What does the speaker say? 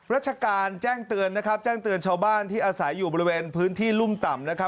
รัชการแจ้งเตือนชาวบ้านที่อาศัยอยู่บริเวณพื้นที่รุ่มต่ำ